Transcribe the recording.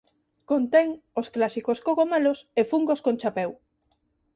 Contén os clásicos cogomelos e fungos con chapeu.